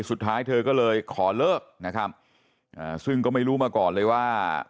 สุดท้ายเธอก็เลยขอเลิกนะครับอ่าซึ่งก็ไม่รู้มาก่อนเลยว่า